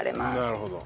なるほど。